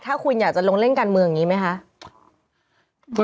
ถ้าคุณอยากจะลงเล่นการเมืองอย่างนี้ไหมคะ